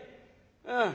うん。